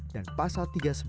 dan pasal tiga ratus sebelas